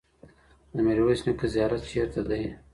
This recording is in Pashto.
د میرویس نیکه زیارت چيرته دی؟